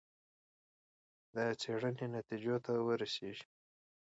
د څېړنې نتیجو ته ورسېږي.